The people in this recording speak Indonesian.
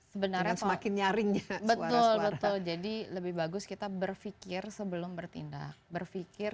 sebenarnya semakin nyaring betul betul jadi lebih bagus kita berpikir sebelum bertindak berpikir